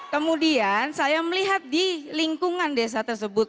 kemudian saya melihat di lingkungan desa tersebut